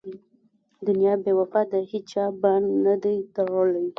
دنیا بې وفا ده هېچا بار نه دی تړلی.